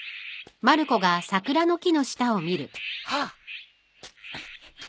はっ！